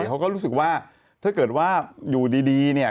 เขาก็รู้สึกว่าถ้าเกิดว่าอยู่ดีเนี่ย